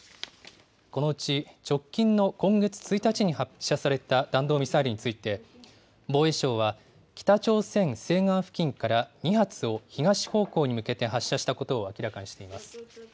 このうち直近の今月１日に発射された弾道ミサイルについて、防衛省は、北朝鮮西岸付近から２発を東方向に向けて発射したことを明らかにしています。